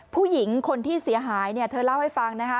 ผู้หญิงคนที่เสียหายเนี่ยเธอเล่าให้ฟังนะคะ